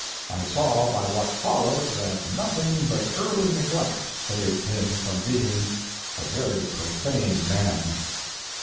I saw by what followed that nothing but early neglect saved him from being a very profane man.